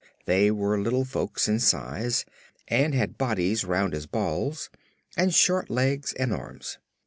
They were little folks in size and had bodies round as balls and short legs and arms.